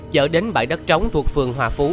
chở đến bãi đất trống thuộc phường hòa phú